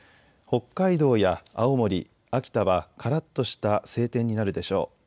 北海道や青森、秋田はからっとした晴天になるでしょう。